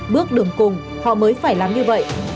bước đường cùng họ mới phải làm như vậy